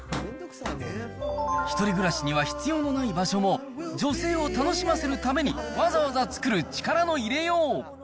１人暮らしには必要のない場所も、女性を楽しませるためにわざわざ作る力の入れよう。